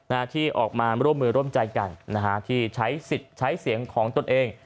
นะฮะที่ออกมาร่วมมือร่วมใจกันนะฮะที่ใช้สิทธิ์ใช้เสียงของตนเอง